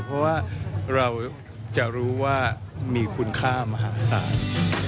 เพราะว่าเราจะรู้ว่ามีคุณค่ามหาศาล